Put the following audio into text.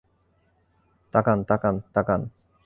তাকান, তাকান, তাকান!